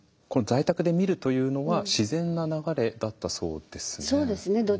在宅で見るというのは自然な流れだったそうですね。